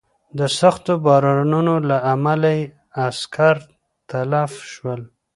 د سختو بارانونو له امله یې عسکر تلف شول.